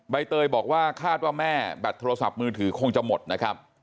ใบเตยบอกว่าคาดว่าแม่แบตโทรศัพท์มือถือคงจะหมดนะครับ